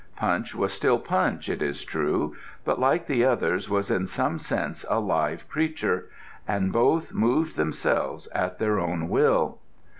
Punch was still Punch, it is true, but, like the others, was in some sense a live creature, and both moved themselves at their own will.